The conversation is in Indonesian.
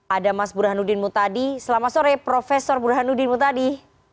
ada mas burhanudin mutadi selamat sore profesor burhanudin mutadi